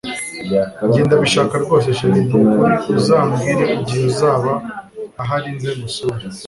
Njye ndabishaka rwose chr nukuri uzambwire igihe uzaba ahari nze ngusure